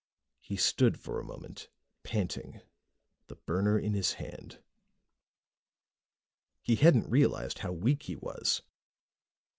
He stood for a moment, panting, the burner in his hand. He hadn't realized how weak he was.